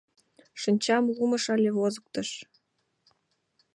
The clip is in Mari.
— Шинчам лумыш але возыктыш?..